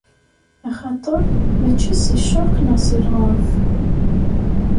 Axaṭer, mačči si ccerq neɣ si lɣerb.